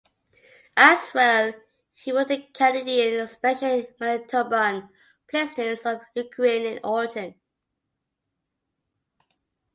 As well, he wrote on Canadian, especially Manitoban, placenames of Ukrainian origin.